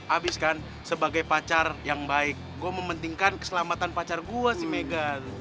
abiskan sebagai pacar yang baik gua mementingkan keselamatan pacar gua sih megan